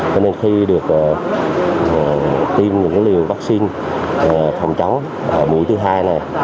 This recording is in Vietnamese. cho nên khi được tiêm những liều vaccine phòng chống mũi thứ hai này